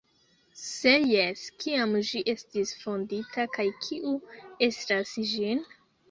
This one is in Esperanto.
Se jes, kiam ĝi estis fondita kaj kiu estras gin?